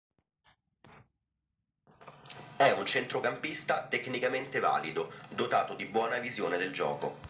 È un centrocampista tecnicamente valido, dotato di buona visione del gioco.